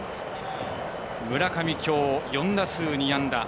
村上、きょう４打数２安打。